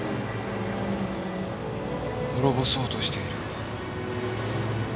「滅ぼそうとしている」